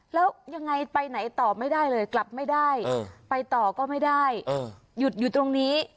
แล้วยังไงไปไหนต่อไม่ได้เลยกลับไม่ได้ไปต่อก็ไม่ได้หยุดอยู่ตรงนี้